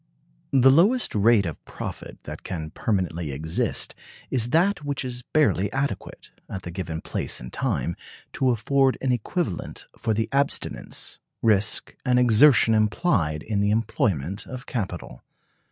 The lowest rate of profit that can permanently exist is that which is barely adequate, at the given place and time, to afford an equivalent for the abstinence, risk, and exertion implied in the employment of capital.